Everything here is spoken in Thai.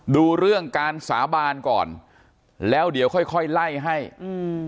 ดูเรื่องการสาบานก่อนแล้วเดี๋ยวค่อยค่อยไล่ให้อืม